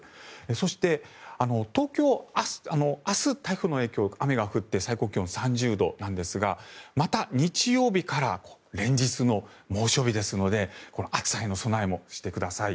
そして、東京は明日台風の影響で雨が降って最高気温３０度なんですがまた日曜日から連日の猛暑日ですので暑さへの備えもしてください。